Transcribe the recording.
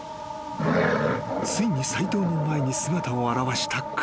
［ついに斎藤の前に姿を現した熊］